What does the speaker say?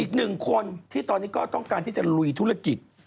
อีกหนึ่งคนที่ตอนนี้ก็ต้องการที่จะลุยธุรกิจ